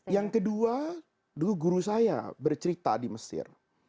yang kedua dulu guru saya bercerita di mesir